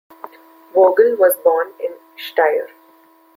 Vogl was born in Steyr.